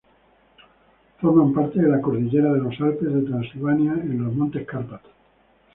Forman parte de la cordillera de los Alpes de Transilvania en los montes Cárpatos.